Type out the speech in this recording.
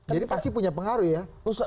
pasti punya pengaruh ya